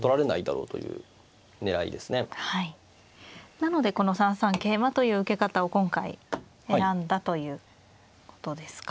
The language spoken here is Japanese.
なのでこの３三桂馬という受け方を今回選んだということですか。